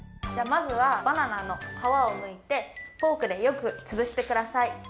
じゃあまずはバナナのかわをむいてフォークでよくつぶしてください。